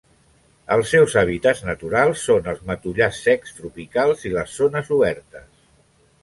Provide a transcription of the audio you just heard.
Els seus hàbitats naturals són els matollars secs tropicals i les zones obertes.